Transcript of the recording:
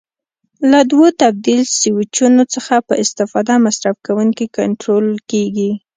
له دوو تبدیل سویچونو څخه په استفاده مصرف کوونکی کنټرول کېږي.